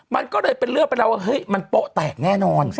มันก็เลยเป็นเรื่องไปแล้วว่าเฮ้ยมันโป๊ะแตกแน่นอน